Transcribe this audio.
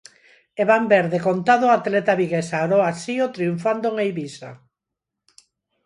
E van ver decontado a atleta viguesa Aroa Sío triunfando en Eivisa.